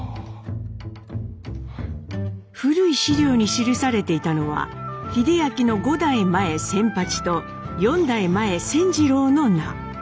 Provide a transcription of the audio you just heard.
古い資料に記されていたのは英明の５代前仙八と４代前仙次郎の名。